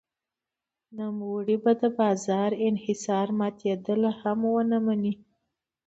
نوموړی به د بازار انحصار ماتېدل هم ونه مني.